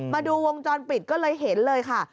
มาดูวงจรปิดก็เลยเห็นเลยค่ะ